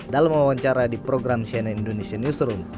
dalam wawancara di program cnn indonesia newsroom